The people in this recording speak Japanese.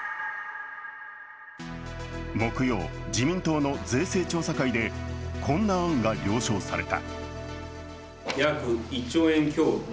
木曜、自民党の税制調査会でこんな案が了承された。